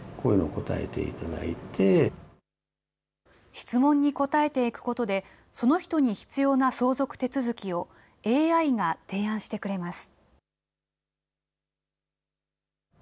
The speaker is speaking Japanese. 質問に答えていくことで、その人に必要な相続手続きをＡＩが提案してくれます。